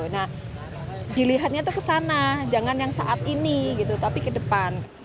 nah dilihatnya tuh kesana jangan yang saat ini gitu tapi ke depan